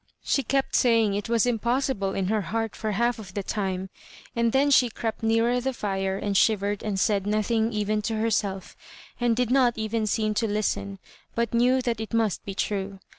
She kept saymg it was Impossible in her heart for half of the time, and then she crept nearer the fire and shivered and said nothing even to heraeU; and did not even seem to listen, but knew that it must be tnie.